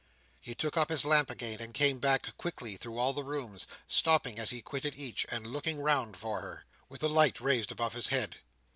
He took up his lamp again, and came back quickly through all the rooms, stopping as he quitted each, and looking round for her, with the light raised above his head.